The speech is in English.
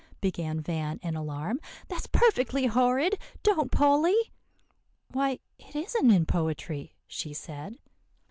began Van in alarm; "that's perfectly horrid. Don't, Polly." "Why, it isn't in poetry," she said.